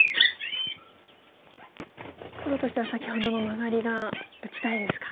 黒としては先ほどのマガリが打ちたいですか。